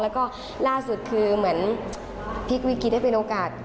แล้วก็ล่าสุดคือเหมือนพลิกวิกฤตได้เป็นโอกาส